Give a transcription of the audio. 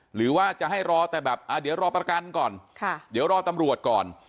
หรือว่าจะให้รอแต่แบบเดี๋ยวรอประกันก่อนเดี๋ยวรอตำรวจก่อน